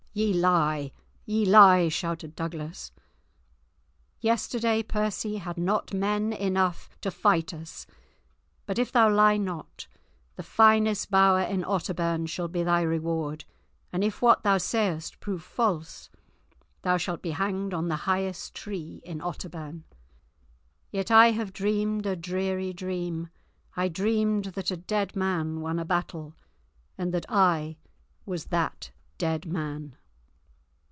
"Ye lie, ye lie," shouted Douglas; "yesterday, Percy had not men enough to fight us. But if thou lie not, the finest bower in Otterbourne shall be thy reward, and if what thou sayest prove false, thou shalt be hanged on the highest tree in Otterbourne. Yet I have dreamed a dreary dream; I dreamed that a dead man won a battle and that I was that dead man."